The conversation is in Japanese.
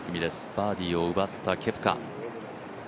バーディーを奪ったケプカ。